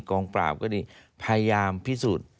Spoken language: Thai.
กองปราบก็ดีพยายามพิสูจน์